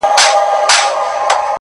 خوږ دی مرگی چا ويل د ژوند ورور نه دی-